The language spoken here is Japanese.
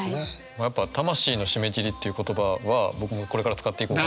やっぱ「魂の締め切り」っていう言葉は僕もこれから使っていこう。